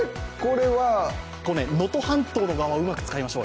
能登半島側をうまく使いましょう。